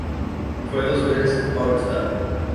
Fue dos veces All-Star.